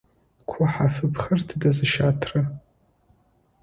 Ку хьафыбгхэр тыдэ зыщатрэр?